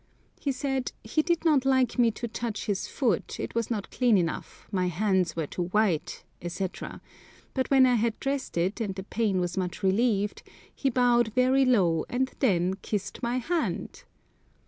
He said "he did not like me to touch his foot, it was not clean enough, my hands were too white," etc.; but when I had dressed it, and the pain was much relieved, he bowed very low and then kissed my hand!